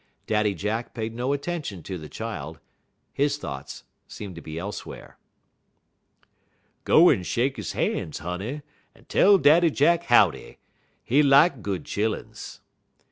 Daddy Jack paid no attention to the child; his thoughts seemed to be elsewhere. "Go en shake han's, honey, en tell Daddy Jack howdy. He lak good chilluns."